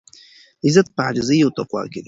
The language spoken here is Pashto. عزت په عاجزۍ او تقوا کې دی.